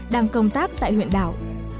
đang công tác tại huyện đảo